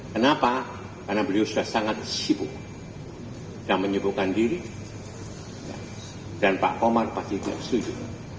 kenapa karena beliau sudah sangat sibuk dan menyuguhkan diri dan pak komar pasti tidak setuju